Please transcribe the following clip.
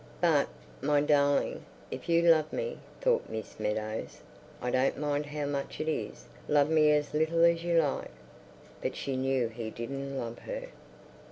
"But, my darling, if you love me," thought Miss Meadows, "I don't mind how much it is. Love me as little as you like." But she knew he didn't love her.